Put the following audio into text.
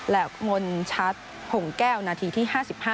และมนชัดหงแก้วนาทีที่๕๕